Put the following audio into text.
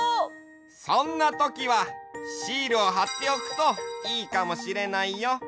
そんなときはシールをはっておくといいかもしれないよ。